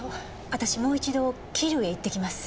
私もう一度桐生へ行って来ます。